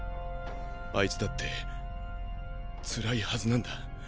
あいつだって辛いはずなんだ。